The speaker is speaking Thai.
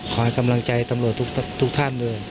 ขอให้กำลังใจตำรวจทุกท่านเลย